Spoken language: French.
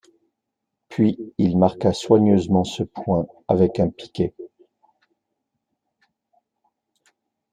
Puis il marqua soigneusement ce point avec un piquet